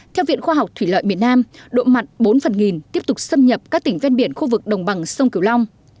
theo viện khoa học thủy lợi miền nam độ mặn bốn phần nghìn tiếp tục xâm nhập các tỉnh ven biển khu vực đồng bằng sông kiều long